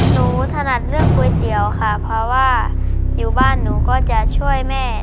ถนัดเรื่องก๋วยเตี๋ยวค่ะเพราะว่าอยู่บ้านหนูก็จะช่วยแม่